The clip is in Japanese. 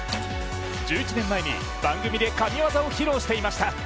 １１年前に番組で神業を披露していました。